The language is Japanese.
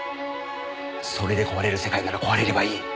それで壊れる世界なら壊れればいい。